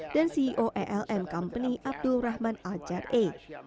dan ceo alm company abdul rahman al jar'e